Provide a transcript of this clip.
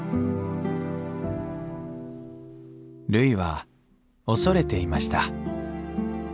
るいは恐れていました。